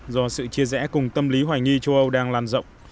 do sự chia rẽ cùng tâm lý hoài nghi châu âu đang lan rộng